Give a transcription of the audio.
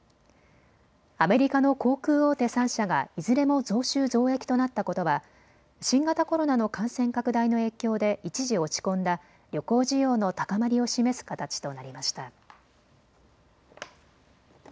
アメリカの航空大手３社がいずれも増収増益となったことは新型コロナの感染拡大の影響で一時、落ち込んだ旅行需要の高まりを示す形となりました。